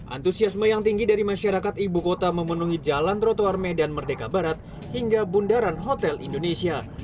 antusiasme yang tinggi dari masyarakat ibu kota memenuhi jalan trotoar medan merdeka barat hingga bundaran hotel indonesia